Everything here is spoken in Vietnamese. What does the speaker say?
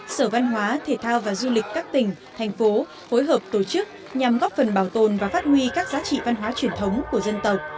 sở văn hóa thể thao và du lịch các tỉnh thành phố phối hợp tổ chức nhằm góp phần bảo tồn và phát huy các giá trị văn hóa truyền thống của dân tộc